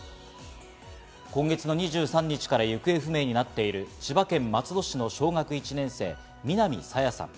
今月２３日から行方不明になっている千葉県松戸市の小学１年生、南朝芽さん。